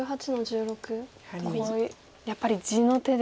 やっぱり地の手ですか。